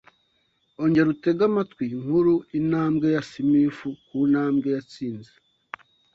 ongera utege amatwi inkuru intambwe ya Simifu ku ntambwe yatsinze